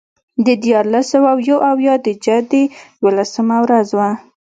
د دیارلس سوه یو اویا د جدې یوولسمه ورځ ده.